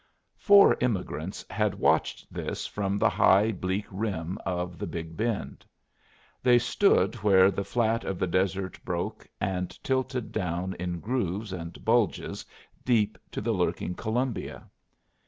Four emigrants had watched this from the high bleak rim of the Big Bend. They stood where the flat of the desert broke and tilted down in grooves and bulges deep to the lurking Columbia.